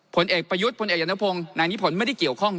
ผลเอกประยุทธ์พลเอกนพงศ์นายนิพนธ์ไม่ได้เกี่ยวข้อง